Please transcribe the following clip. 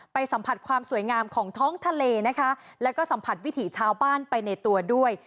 สัมผัสความสวยงามของท้องทะเลนะคะแล้วก็สัมผัสวิถีชาวบ้านไปในตัวด้วย